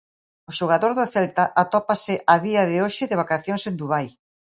O xogador do Celta atópase a día de hoxe de vacacións en Dubai.